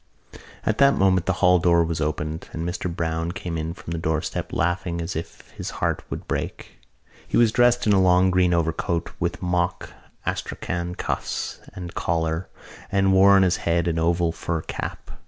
At that moment the hall door was opened and Mr Browne came in from the doorstep, laughing as if his heart would break. He was dressed in a long green overcoat with mock astrakhan cuffs and collar and wore on his head an oval fur cap.